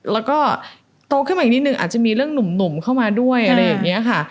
แล้วก็โตขึ้นมาอีกนิดนึงอาจจะมีเรื่องหนุ่มเข้ามาด้วยอะไรอย่างนี้ค่ะ